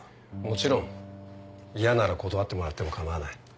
もちろん嫌なら断ってもらっても構わない